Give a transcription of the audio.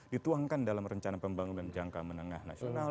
dituangkan dalam rencana pembangunan jangka menengah nasional